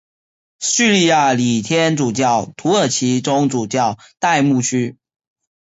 叙利亚礼天主教土耳其宗主教代牧区。